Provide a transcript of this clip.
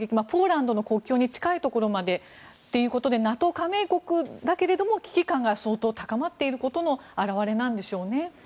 ポーランドの国境に近いところまでということでＮＡＴＯ加盟国だけれども危機感が相当高まっていることの表れなんでしょうね。